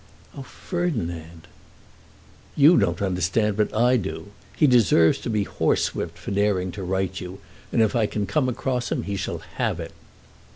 "Oh, Ferdinand!" "You don't understand, but I do. He deserves to be horsewhipped for daring to write to you, and if I can come across him he shall have it."